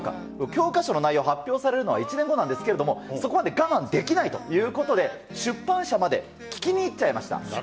教科書の内容、発表されるのは１年後なんですけれども、そこまで我慢できないということで、出版社まで聞きに行っちゃいました。